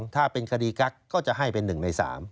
ถ้าเป็นคดีกักก็จะให้เป็น๑ใน๓